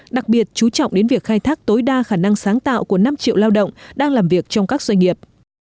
đặc biệt chú trọng đến việc khai thác tối đa khả năng sáng tạo của năm triệu lao động đang làm việc trong các doanh nghiệp